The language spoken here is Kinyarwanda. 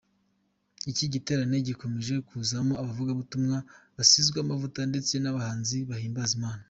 Iki giterane gikomeje kuzamo abavugabutumwa basizwe amavuta ndetse n’abahanzi bahimbaza Imana.